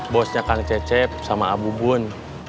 bosnya kang cecep sama abu bun